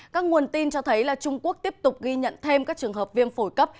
các nguồn tin cho thấy là trung quốc tiếp tục ghi nhận thêm các trường hợp viêm phổi cấp